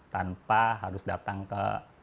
tanpa harus datang ke